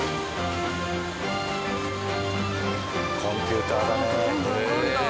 コンピューターだね。